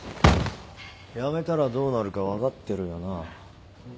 辞めたらどうなるか分かってるよな？